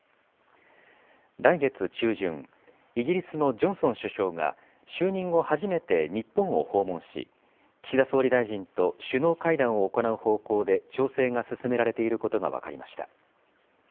来月中旬、イギリスのジョンソン首相が、就任後初めて日本を訪問し、岸田総理大臣と首脳会談を行う方向で、調整が進められていることが分かりました。